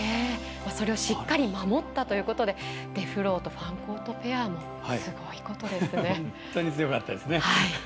それをしっかり守ったということでデフロート、ファンコートペアもすごいことですね。